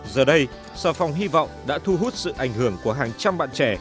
giờ đây xà phòng hy vọng đã thu hút sự ảnh hưởng của hàng trăm bạn trẻ